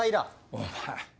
お前